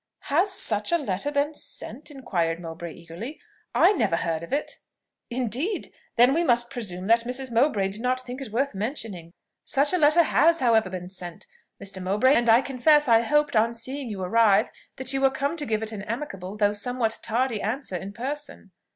"Has such a letter been sent?" inquired Mowbray eagerly. "I never heard of it." "Indeed! Then we must presume that Mrs. Mowbray did not think it worth mentioning. Such a letter has, however, been sent, Mr. Mowbray; and I confess, I hoped, on seeing you arrive, that you were come to give it an amicable, though somewhat tardy answer, in person."